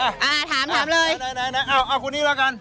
เอาคุณนี้แล้วกัน